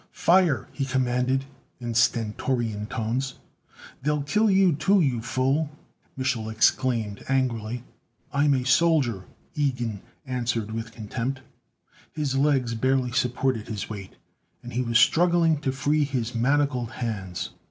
"Fire," he commanded in stentorian tones. "They'll kill you too, you fool!" Mich'l exclaimed angrily. "I am a soldier!" Ilgen answered with contempt. His legs barely supported his weight, and he was struggling to free his manacled hands.